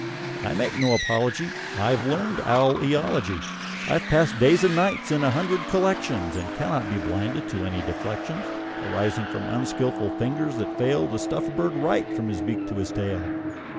I make no apology; I've learned owl eology. I've passed days and nights in a hundred collections, And cannot be blinded to any deflections Arising from unskilful fingers that fail To stuff a bird right, from his beak to his tail.